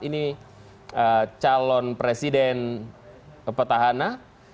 ini calon presiden petahana